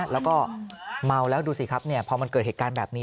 แล้วก็เมาแล้วดูสิครับพอมันเกิดเหตุการณ์แบบนี้